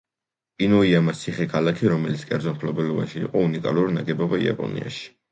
ინუიამას ციხე-ქალაქი, რომელიც კერძო მფლობელობაში იყო უნიკალური ნაგებობა იაპონიაში.